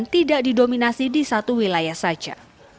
dan tidak didominasi di satu wilayah saja